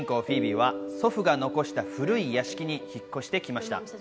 フィービーは祖父が残した古い屋敷に引っ越して来ました。